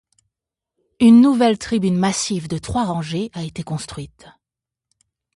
Une nouvelle tribune massive de trois rangées a été construite.